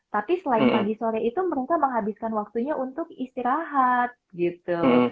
tapi selain pagi sore itu mereka menghabiskan waktunya untuk istirahat gitu